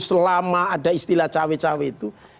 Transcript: selama ada istilah cawi cawi itu